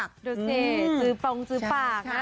ดูสิจื้อปลงจื้อปาก